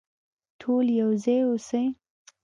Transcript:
ټول يو ځای اوسئ.